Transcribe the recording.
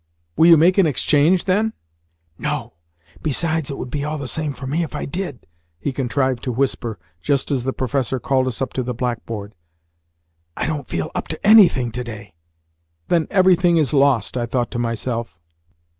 "Will you make an exchange, then?" "No. Besides, it would be all the same for me if I did," he contrived to whisper just as the professor called us up to the blackboard. "I don't feel up to anything to day." "Then everything is lost!" I thought to myself.